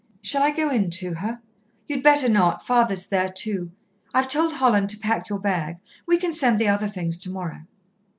"Shall I go in to her?" "You'd better not. Father's there too. I've told Holland to pack your bag. We can send the other things tomorrow."